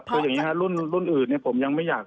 คืออย่างนี้ครับรุ่นอื่นผมยังไม่อยาก